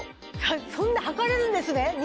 そんな測れるんですね